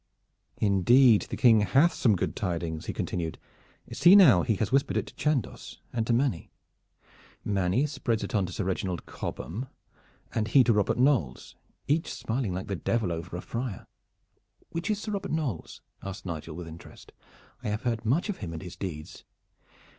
"Indeed the King hath some good tidings," he continued. "See now, he has whispered it to Chandos and to Manny. Manny spreads it on to Sir Reginald Cobham, and he to Robert Knolles, each smiling like the Devil over a friar." "Which is Sir Robert Knolles?" asked Nigel with interest. "I have heard much of him and his deeds."